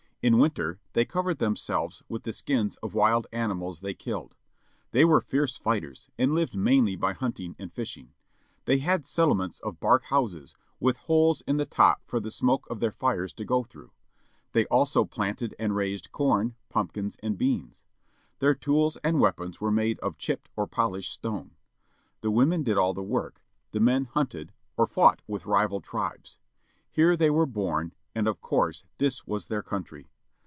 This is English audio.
In winter they covered themselves with the skins of wild animals they killed. They were fierce fighters, and lived mainly by hunting and fishing. They had settlements of bark houses, with holes in the top for the smoke of their fires to go through. They also planted and raised corn, pumpkins, and beans. Their tools and weapons were made of chipped or polished stone. The women did all the work. The men htmted, or fought with rival tribes. Here they were born, and of course this was their country.